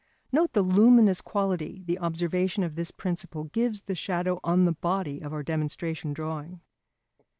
Note the luminous quality the observation of this principle gives the shadow on the body of our demonstration drawing.